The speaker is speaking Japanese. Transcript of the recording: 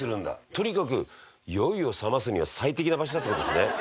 「とにかく酔いをさますには最適な場所だって事ですね」